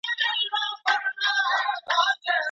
ایا کورني سوداګر بادام صادروي؟